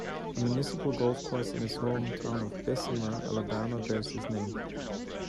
A municipal golf course in his home town of Bessemer, Alabama, bears his name.